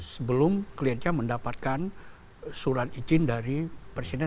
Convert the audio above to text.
sebelum klienca mendapatkan surat izin dari presiden